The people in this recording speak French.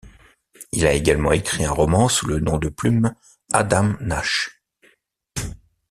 Il a également écrit un roman sous le nom de plume Adam Nash.